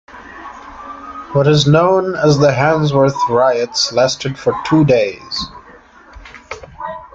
What is now known as the Handsworth Riots lasted for two days.